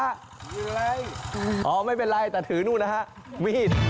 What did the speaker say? มีไล่อ๋อไม่เป็นไรแต่ถือนู้นนะครับวีด